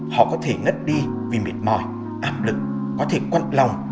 họ có thể ngất đi vì miệt mỏi áp lực có thể quặng lòng